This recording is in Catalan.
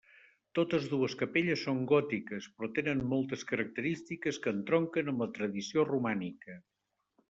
Totes dues capelles són gòtiques, però tenen moltes característiques que entronquen amb la tradició romànica.